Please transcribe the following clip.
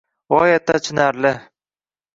G'oyatda achinarli.